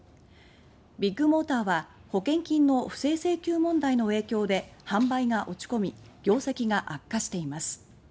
ビッグモーターは保険金の不正請求問題の影響で販売が落ち込み業績が悪化しています。